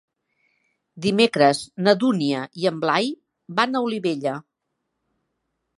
Dimecres na Dúnia i en Blai van a Olivella.